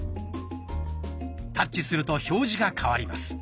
タッチすると表示が替わります。